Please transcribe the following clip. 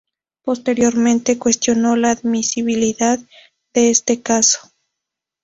Posteriormente, cuestionó la admisibilidad de este caso.